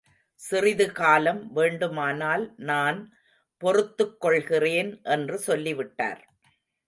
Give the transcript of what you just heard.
சிறிது காலம் வேண்டுமானால் நான் பொறுத்துக் கொள்கிறேன். என்று சொல்லி விட்டார்.